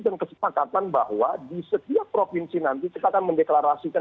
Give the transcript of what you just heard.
dan kesepakatan bahwa di setiap provinsi nanti kita akan mendeklarasikan